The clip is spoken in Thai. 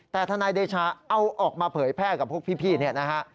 แต่ทนายเดชาเอาออกมาเผยแพร่กับพวกพี่เนี่ยนะฮะ